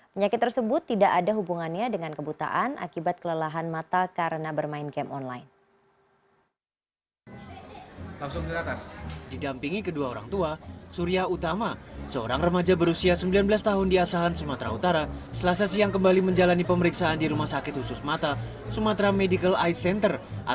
penyakit tersebut tidak ada hubungannya dengan kebutaan akibat kelelahan mata karena bermain game online